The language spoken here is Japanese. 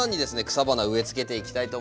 草花植えつけていきたいと思います。